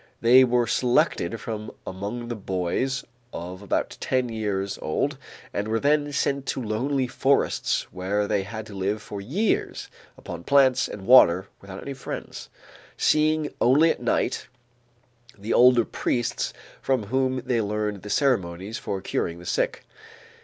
They were selected from among the boys of about ten years old and were then sent to lonely forests where they had to live for years upon plants and water without any friends, seeing only at night the older priests from whom they learned the ceremonies for curing the sick.